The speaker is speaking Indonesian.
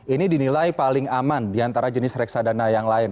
ini dinilai paling aman diantara jenis reksadana yang lain